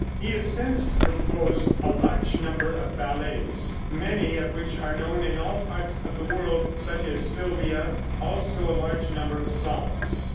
He has since composed a large number of ballets, many of which are known in all parts of the world, such as "Sylvia"; also a large number of songs.